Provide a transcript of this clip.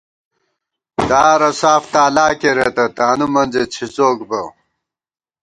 دارہ ساف تالا کېرېتہ ، تانُو منزے څِھزوک بہ